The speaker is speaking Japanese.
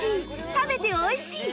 食べて美味しい！